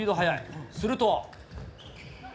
すると。